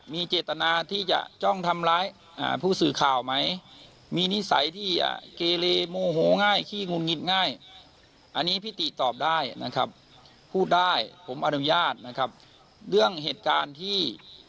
มีเจตนาที่จะจ้องทำร้ายผู้สื่อข่าวไหมมีนิสัยที่เกเลโมโหง่ายขี้งุนงิดง่ายอันนี้พี่ติตอบได้นะครับพูดได้ผมอนุญาตนะครับเรื่องเหตุการณ์ที่